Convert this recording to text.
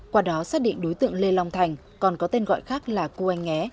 qua đó xác định đối tượng lê long thành còn có tên gọi khác là cô anh nhé